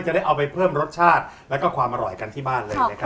จะได้เอาไปเพิ่มรสชาติและความอร่อยกันที่บ้านเลยนะครับ